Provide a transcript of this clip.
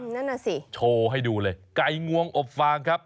นั่นน่ะสิโชว์ให้ดูเลยไก่งวงอบฟางครับ